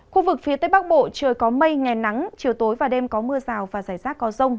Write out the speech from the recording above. khu vực phía tây bắc bộ trời có mây ngày nắng chiều tối và đêm có mưa rào và rải rác có rông